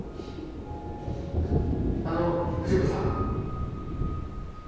あの藤子さん。